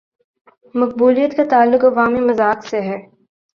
مقبولیت کا تعلق عوامی مذاق سے ہے۔